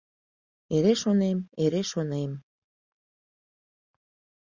Эре шонем, эре шонем: